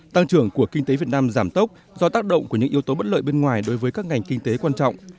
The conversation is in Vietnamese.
tăng trưởng của kinh tế việt nam giảm tốc do tác động của những yếu tố bất lợi bên ngoài đối với các ngành kinh tế quan trọng